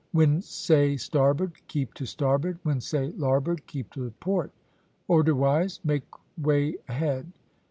"When say starboard, keep to starboard; when say larboard, keep to port; oderwise make way ahead."